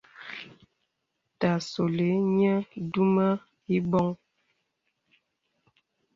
Ta solì nyə̀ dumə ìbɔŋ.